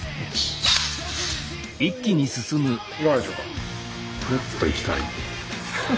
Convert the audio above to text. いかがでしょうか？